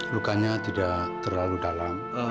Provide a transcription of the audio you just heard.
lukanya tidak terlalu dalam